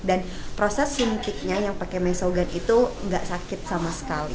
dan proses simpiknya yang pakai mesogan itu nggak sakit sama sekali